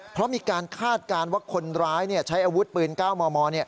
เพราะมีการคาดการณ์ว่าคนร้ายใช้อาวุธปืน๙มม